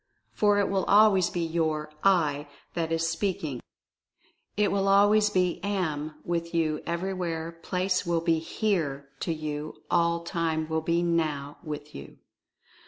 For it will always be your "I" that is speak ing — it will always be "Am" with you — everywhere place will be "Here" to you — all time will be "Now" with you.